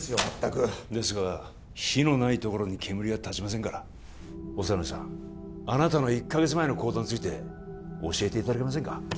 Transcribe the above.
まったくですが火のないところに煙は立ちませんから小山内さんあなたの１カ月前の行動について教えていただけませんか？